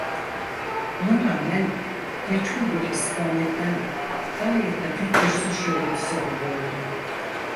Buna rağmen meçhul bir istikametten gayet hafif bir su şırıltısı geliyordu.